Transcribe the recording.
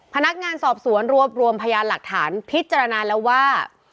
พนักงานสอบสวนรวบรวมพยานหลักฐานพิจารณาแล้วว่า